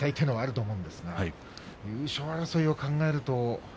優勝争いを考えると。